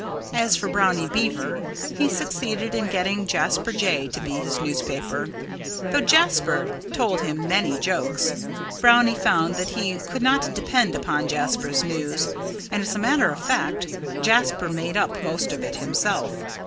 As for Brownie Beaver, he succeeded in getting Jasper Jay to be his newspaper. Though Jasper told him many jokes, Brownie found that he could not depend upon Jasper's news. And as a matter of fact, Jasper made up most of it himself.